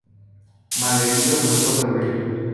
Malherido, trató de huir.